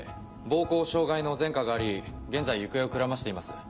暴行傷害の前科があり現在行方をくらましています。